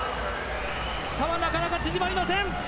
差はなかなか縮まりません。